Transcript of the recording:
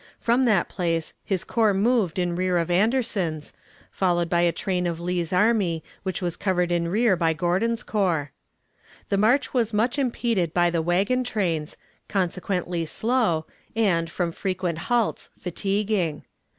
From that place his corps moved in rear of Anderson's, followed by the train of Lee's army, which was covered in rear by Gordon's corps. The march was much impeded by the wagon trains, consequently slow, and, from frequent halts, fatiguing.